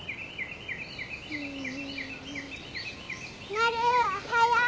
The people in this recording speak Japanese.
なるおはよう。